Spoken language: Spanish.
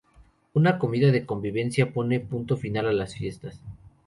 Una comida de convivencia pone punto final a las fiestas.